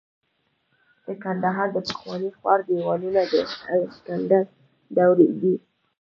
د کندهار د پخواني ښار دیوالونه د الکسندر دورې دي